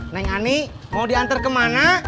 neng ani mau diantar kemana